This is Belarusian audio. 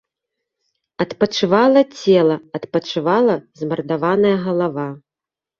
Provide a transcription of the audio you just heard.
Адпачывала цела, адпачывала змардаваная галава.